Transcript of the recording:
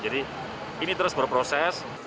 jadi ini terus berproses